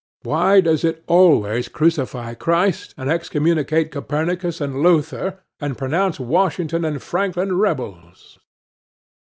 Why does it always crucify Christ, and excommunicate Copernicus and Luther, and pronounce Washington and Franklin rebels?